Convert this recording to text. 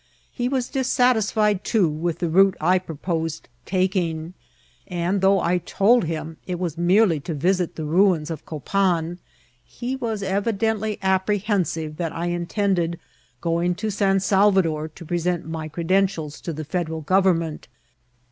He was dissatisfied, too, with the route I proposed taking ; and though I told him it was merely to visit the ruins of Copan, he was evidently apprehensive that I intended going to San Salvadoi^ to present my credentials to the Federal gov ernment.